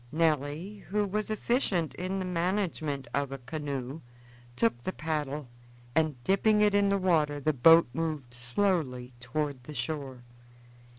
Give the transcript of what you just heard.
Nelly, who was efficient in the management of a canoe, took the paddle, and dipping it in the water the boat moved slowly toward the shore.